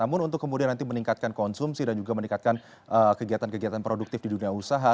namun untuk kemudian nanti meningkatkan konsumsi dan juga meningkatkan kegiatan kegiatan produktif di dunia usaha